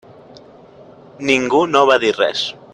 Ningú no va dir res.